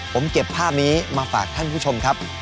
ผมเก็บภาพนี้มาฝากท่านผู้ชมครับ